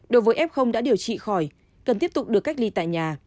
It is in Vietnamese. đối với f đã điều trị khỏi cần tiếp tục được cách ly tại nhà